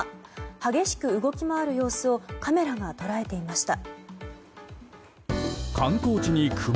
激しく動き回る様子をカメラが捉えていました。